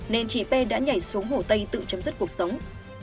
nên chị p đã nhảy xuống hồ tây tự chấm dứt cuộc sống